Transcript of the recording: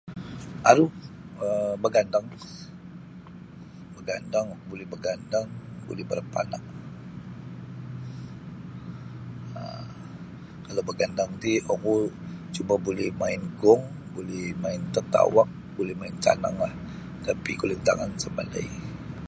Aru um bagandang bagandang buli bagandang buli barapana um kalau bagandang ti oku cuma buli main gong buli main tatauap buli main cananglah tapi kalau kulintangan isa mapandai.